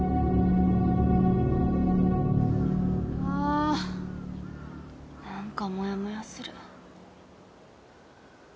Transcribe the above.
あ何かもやもやする。